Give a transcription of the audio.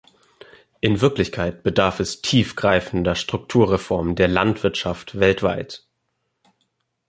In Wirklichkeit bedarf es tiefgreifender Strukturreformen der Landwirtschaft weltweit.